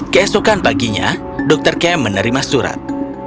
kesokan paginya dr kemp menerima surat